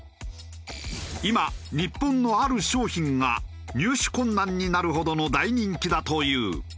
今日本のある商品が入手困難になるほどの大人気だという。